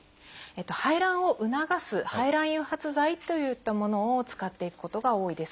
排卵を促す排卵誘発剤といったものを使っていくことが多いです。